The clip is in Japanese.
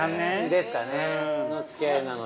◆ですかね、のつき合いなので。